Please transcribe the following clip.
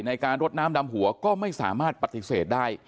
ในการรดน้ำดำหัวก็ไม่สามารถปฏิเสธได้